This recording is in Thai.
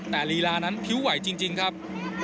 แต่ลีลานั้นพิ้วไหวจริงครับ